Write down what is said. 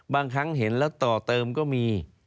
บางครั้งเห็นแล้วต่อเติมก็มี